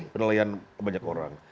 penilaian banyak orang